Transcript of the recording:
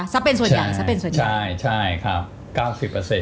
ซับเป็นส่วนอย่างใช่ครับ๙๐